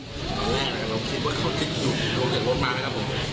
ตอนแรกเราคิดว่าเขาคิดหยุดโลกหยุดลดมาไหมครับผม